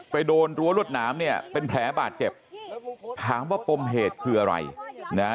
ไปโดนรัวรถน้ำเนี่ยเป็นแผลบาทเจ็บถามว่าปรุงเหตุคืออะไรเนี่ย